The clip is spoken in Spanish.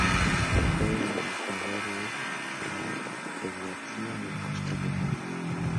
Fue el iniciador de la pediatría en Costa Rica.